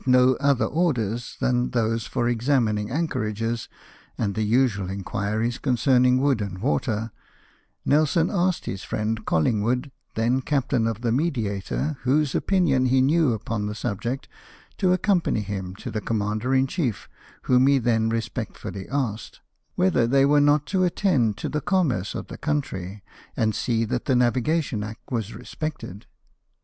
no other orders than those for examining anchorages, and the usual inquiries concerning wood and water, Nelson asked his friend Collingvvood, then captain of the Mediator, whose opinions he knew upon the subject, to accompany him to the commander in chief, whom he then respectfully asked, Whether they were not to attend to the commerce of the country, and see that the Navigation Act was respected